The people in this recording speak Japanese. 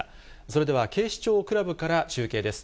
それでは警視庁クラブから中継です。